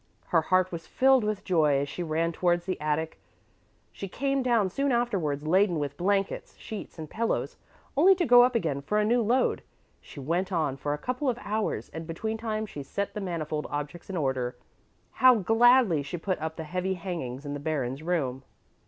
Her heart was filled with joy as she ran towards the attic. She came down soon afterwards laden with blankets, sheets and pillows, only to go up again for a new load. This went on for a couple of hours, and between times she set the manifold objects in order. How gladly she put up the heavy hangings in the Baron's room.